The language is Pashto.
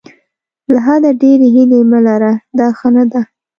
له حده ډېرې هیلې مه لره دا ښه نه ده.